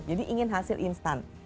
jadi ingin hasil instan